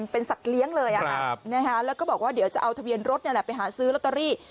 เป็นสัตว์เลี้ยงเลยแล้วก็บอกว่าเดี๋ยวจะเอาทะเบียนรถนี่แหละไปหาซื้อลอตเตอรี่